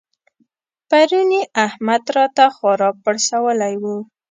پرون يې احمد راته خورا پړسولی وو.